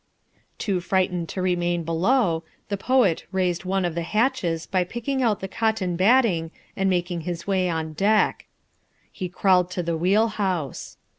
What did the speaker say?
Too frightened to remain below, the poet raised one of the hatches by picking out the cotton batting and made his way on deck. He crawled to the wheel house.